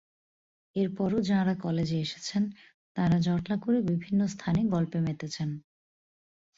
এরপরও যাঁরা কলেজে এসেছেন, তাঁরা জটলা করে বিভিন্ন স্থানে গল্পে মেতেছেন।